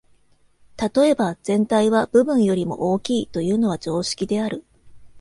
例えば、「全体は部分よりも大きい」というのは常識である。